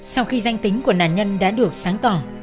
sau khi danh tính của nạn nhân đã được sáng tỏa